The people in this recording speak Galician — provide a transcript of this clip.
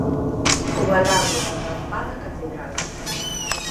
O badalo da campá da catedral.